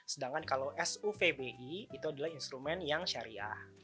sedangkan kalau suvbi itu adalah instrumen yang syariah